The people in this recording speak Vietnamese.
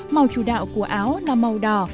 màu chủ đạo của áo là màu đỏ